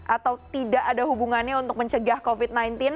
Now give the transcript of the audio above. atau tidak ada hubungannya untuk mencegah covid sembilan belas